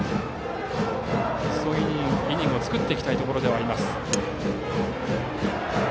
そういうイニングを作っていきたいところです。